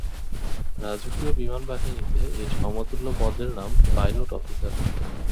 রাজকীয় বিমান বাহিনীতে এর সমতুল্য পদের নাম পাইলট অফিসার।